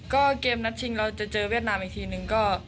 ก็เกมนัดชิงเราจะเจอเวียดนามอีกทีนึงก็